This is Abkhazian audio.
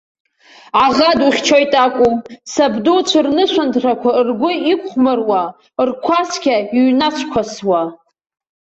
Аӷа духьчоит акәу, сабдуцәа рнышәынҭрақәа ргәы иқәхәмаруа, ркәасқьа иҩнацәқәасуа.